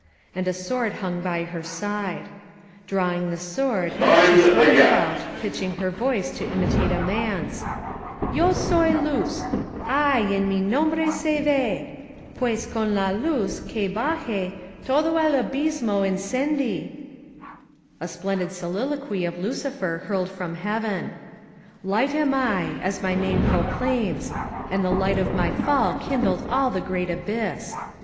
And a sword hung at her side. Drawing the sword, she strut ted about, pitching her voice to imitate a man's : cc Yo soy luz; ay en mi nombre se vel Ptiea con la Itiz Que haje Todo el abismo encendi '* A splendid soliloquy of Lucifer hurled from heaven : *Tiight am I, as my name proclaims — and the light of my fall kindled all the great abyss.